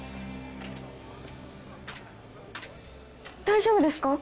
大丈夫ですか？